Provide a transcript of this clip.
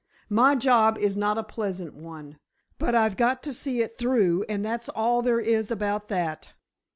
My job is not a pleasant one, but I've got to see it through, and that's all there is about that!